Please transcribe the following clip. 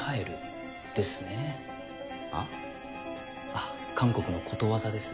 あ韓国のことわざです。